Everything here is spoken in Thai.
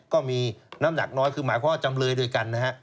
ก็มีน้ำหนักน้อยคือหมายความว่าจำเลยด้วยกันนะฮะ